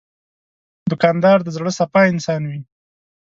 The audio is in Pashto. دوکاندار د زړه صفا انسان وي.